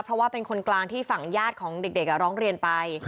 เพราะว่าเป็นคนกลางที่ฝั่งญาติของเด็กร้องเรียนไป